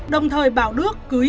đồng thời bảo đức cứ yên lặng